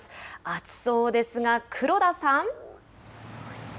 暑そうですが、黒田さん。